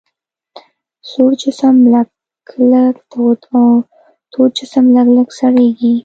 سوړ جسم لږ لږ تود او تود جسم لږ لږ سړیږي.